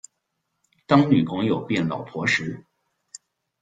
當女朋友變老婆時